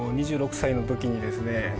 ２６歳の時にですね